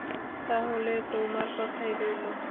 তাহলে, তোমার কথাই রইল।